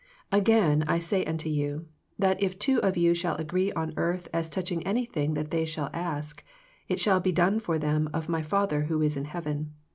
Again I say unto you, that if two of you shall agree on earth as touching anything that they shall ask, it shall be done for them of My Father which is in heaven.